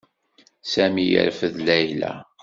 Sami yerfed Layla.